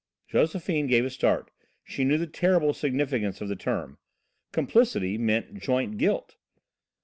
Josephine gave a start she knew the terrible significance of the term. Complicity meant joint guilt.